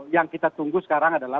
yang kita tunggu sekarang adalah